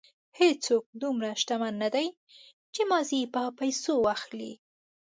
هېڅوک دومره شتمن نه دی چې ماضي په پیسو واخلي.